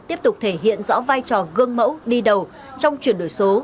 tiếp tục thể hiện rõ vai trò gương mẫu đi đầu trong chuyển đổi số